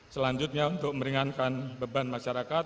selanjutnya untuk meringankan beban masyarakat